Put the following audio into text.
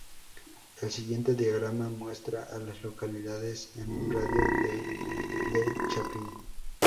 El siguiente diagrama muestra a las localidades en un radio de de Chapin.